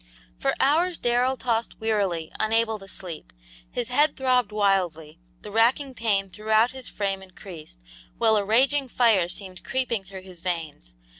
For hours Darrell tossed wearily, unable to sleep. His head throbbed wildly, the racking pain throughout his frame increased, while a raging fire seemed creeping through his veins.